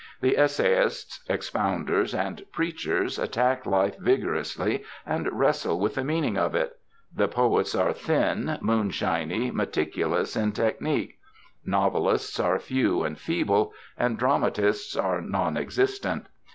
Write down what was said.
The essayists, expounders, and preachers attack life vigorously and wrestle with the meaning of it. The poets are thin, moonshiny, meticulous in technique. Novelists are few and feeble, and dramatists are non existent.